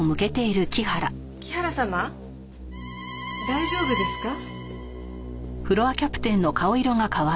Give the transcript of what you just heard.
大丈夫ですか？